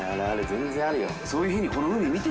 全然あるよ。